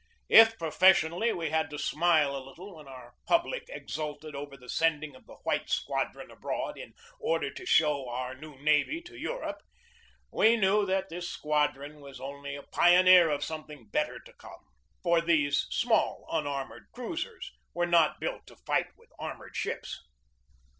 If, professionally, we had to smile a little when our pub lic exulted over the sending of the White Squadron abroad in order to show our new navy to Europe, we knew that this squadron was only a pioneer of something better to come. For these small unar mored cruisers were not built to fight with armored ships.